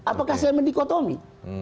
apakah saya mendikotomi